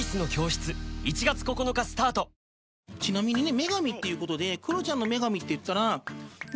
ちなみに女神っていうことでクロちゃんの女神っていったら。